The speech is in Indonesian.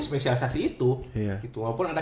spesialisasi itu walaupun ada